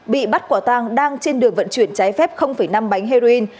bị bắt quả tàng đang trên đường vận chuyển trái phép năm bánh heroin